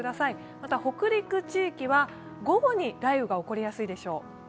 また北陸地域は午後に雷雨が起こりやすいでしょう。